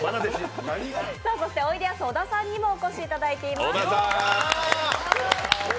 そしておいでやす小田さんにもお越しいただいています。